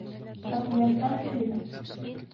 Документаль фильм